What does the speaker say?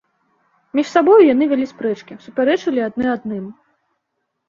Між сабою яны вялі спрэчкі, супярэчылі адны адным.